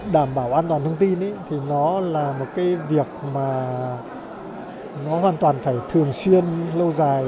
đảm bảo an toàn thông tin thì nó là một cái việc mà nó hoàn toàn phải thường xuyên lâu dài